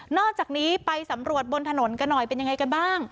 อกจากนี้ไปสำรวจบนถนนกันหน่อยเป็นยังไงกันบ้าง